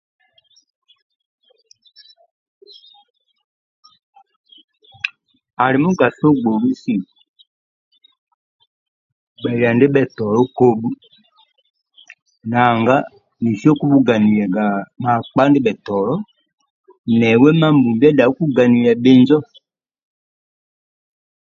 Ali mugaso gbolusi gbelia ndibhetolo kobhu nanga nesi okubhuganilia bhakpa ndibhetolo nawe Mambombi ada kukuganilia bhinjo